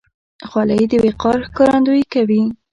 خولۍ د وقار ښکارندویي کوي.